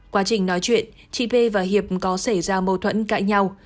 quá trình nói chuyện chị vi và hiệp có xảy ra mâu thuẫn cãi nhau